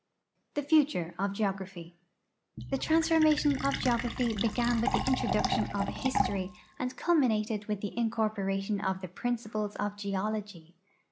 THE FUTURE OF GEOGRAPHY The transformation of geograi)hy began with the introduction of history and culminated with the incorporation of the principles of geology.